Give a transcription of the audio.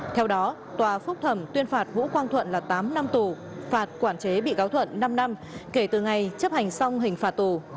theo đó tòa phúc thẩm tuyên phạt vũ quang thuận là tám năm tù phạt quản chế bị cáo thuận năm năm kể từ ngày chấp hành xong hình phạt tù